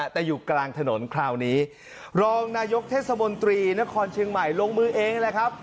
แต่อยู่กลางถนนคราวนี้รองนายกเทศมนตรีนครเชียงใหม่ลงมือเองแหละครับ